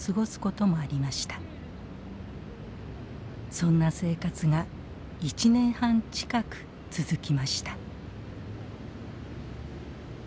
そんな生活が１年半近く続きました。